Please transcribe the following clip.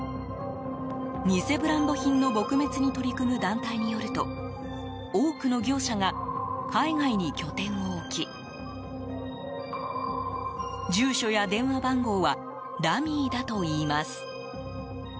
偽ブランド品の撲滅に取り組む団体によると多くの業者が、海外に拠点を置き住所や電話番号はダミーだといいます。